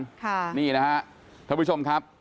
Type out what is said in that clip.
ค่ะนี่นะครับทุกผู้ชมครับ